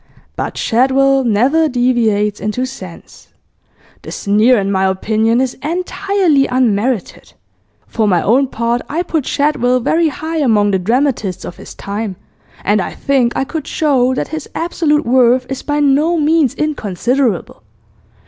"But Shadwell never deviates into sense." The sneer, in my opinion, is entirely unmerited. For my own part, I put Shadwell very high among the dramatists of his time, and I think I could show that his absolute worth is by no means inconsiderable.